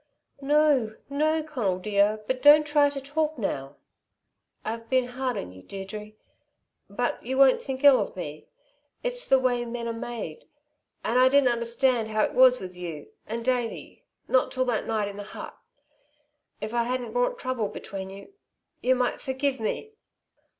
"No, no, Conal dear, but don't try to talk now." "I've been hard on you Deirdre But you won't think ill of me. It's the way men are made and I didn't understand how it was with you and Davey not till that night in the hut. If I hadn't brought trouble between you you might forgive me."